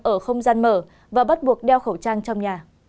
ở không gian mở và bắt buộc đeo khẩu trang trong nhà